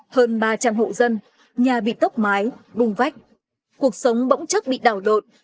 hơn ba trăm linh hộ dân nhà bị tốc mái bùng vách cuộc sống bỗng chất bị đào đột